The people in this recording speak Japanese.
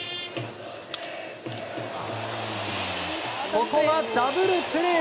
ここはダブルプレー！